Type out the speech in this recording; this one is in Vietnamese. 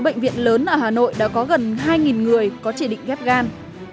bệnh viện lớn ở hà nội đã có gần hai người có chỉ định ghép gan